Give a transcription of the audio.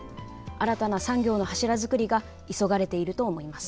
新たな産業の柱づくりが急がれていると思います。